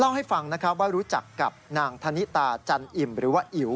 เล่าให้ฟังนะครับว่ารู้จักกับนางธนิตาจันอิ่มหรือว่าอิ๋ว